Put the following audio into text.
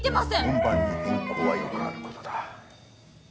本番に変更はよくあることだ。